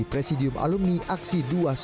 presidium alumni aksi dua ratus dua belas